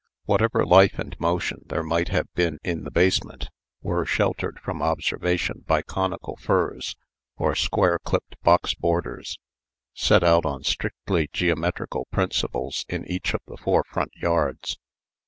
Whatever life and motion there might have been in the basement, were sheltered from observation by conical firs or square clipped box borders, set out on strictly geometrical principles in each of the four front yards.